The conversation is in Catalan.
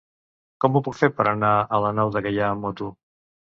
Com ho puc fer per anar a la Nou de Gaià amb moto?